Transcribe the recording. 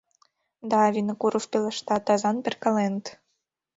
— Да, — Винокуров пелешта, — тазан перкаленыт...